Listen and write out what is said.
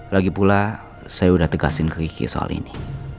lagipula saya udah tegaskan ke kiki soal ini